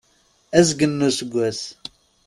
Azgen n useggas.